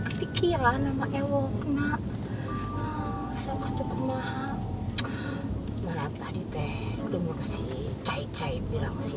kepikiran sama ewek nak soal kata kemahannya malam tadi teh denger si cai cai bilang si